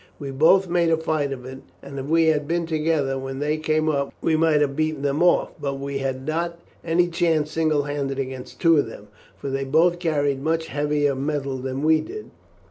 We both made a fight of it, and if we had been together when they came up, we might have beaten them off; but we had not any chance single handed against two of them, for they both carried much heavier metal than we did.